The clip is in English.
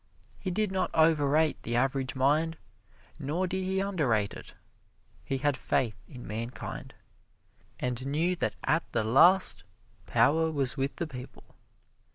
He did not overrate the average mind, nor did he underrate it. He had faith in mankind, and knew that at the last power was with the people.